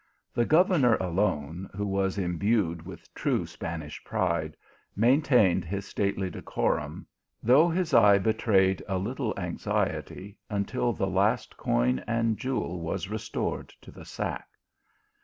The governor alone, who was imbued with true Spanish pride, maintained his stately decorum, though his eye betrayed a little anxiety until the last coin and jewel was restored to the sack.